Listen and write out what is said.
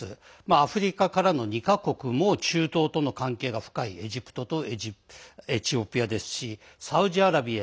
アフリカからの２か国も中東との関係が深いエジプトとエチオピアですしサウジアラビア、